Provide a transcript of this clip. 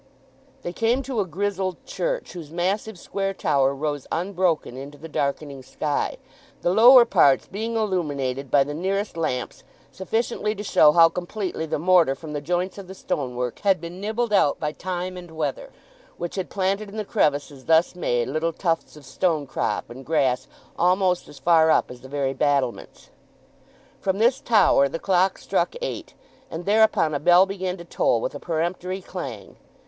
They came to a grizzled church, whose massive square tower rose unbroken into the darkening sky, the lower parts being illuminated by the nearest lamps sufficiently to show how completely the mortar from the joints of the stonework had been nibbled out by time and weather, which had planted in the crevices thus made little tufts of stone crop and grass almost as far up as the very battlements. From this tower the clock struck eight, and thereupon a bell began to toll with a peremptory clang.